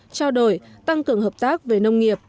trao đổi tăng cường hợp tác về nông nghiệp